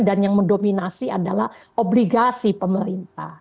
dan yang mendominasi adalah obligasi pemerintah